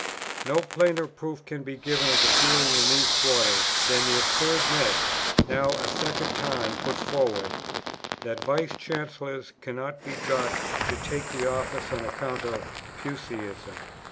No plainer proof can be given of the feeling in these quarters, than the absurd myth, now a second time put forward, 'that Vice Chancellors cannot be got to take the office on account of Puseyism.'